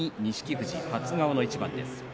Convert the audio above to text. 富士は初顔の対戦です。